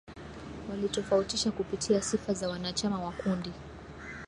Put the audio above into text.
walitofautisha kupitia sifa za wanachama wa kundi